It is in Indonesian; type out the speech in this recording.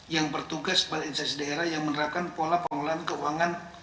yang bertugas pada instansi daerah yang menerapkan pola pengelolaan keuangan